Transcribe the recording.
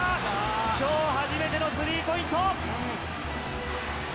きょう初めてのスリーポイント。